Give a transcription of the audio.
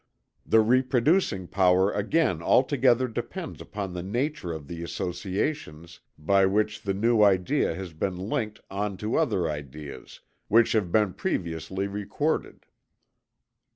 The reproducing power again altogether depends upon the nature of the associations by which the new idea has been linked on to other ideas which have been previously recorded."